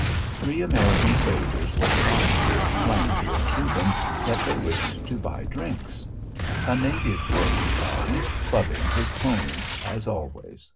Three American soldiers were trying to explain to a Cuban that they wished to buy drinks. A native rode by, clubbing his pony, as always.